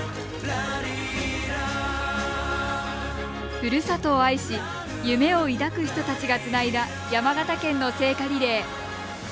ふるさとを愛し夢を抱く人たちがつないだ山形県の聖火リレー。